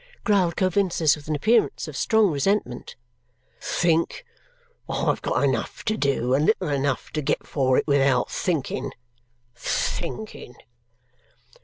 growled Coavinses with an appearance of strong resentment. "Think! I've got enough to do, and little enough to get for it without thinking. Thinking!"